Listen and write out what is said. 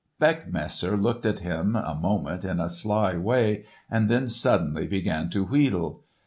Beckmesser looked at him a moment in a sly way and then suddenly began to wheedle.